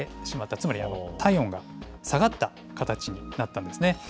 つまり、体温が下がった形になったんですね。